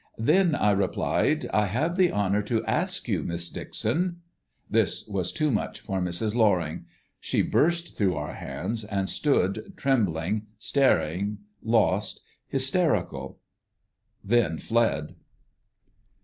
"Then," I replied, "I have the honour to ask you, Miss Dixon " This was too much for Mrs. Loring. She burst through our hands, and stood, trembling, staring, lost, hysterical. Then fled.